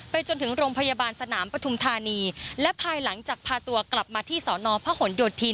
จนถึงโรงพยาบาลสนามปฐุมธานีและภายหลังจากพาตัวกลับมาที่สอนอพหนโยธิน